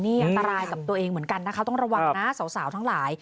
นี่อันตรายกับตัวเองเหมือนกันนะคะต้องระวังนะสาวทั้งหลาย